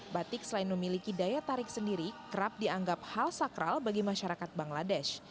batik selain memiliki daya tarik sendiri kerap dianggap hal sakral bagi masyarakat bangladesh